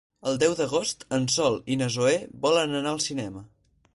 El deu d'agost en Sol i na Zoè volen anar al cinema.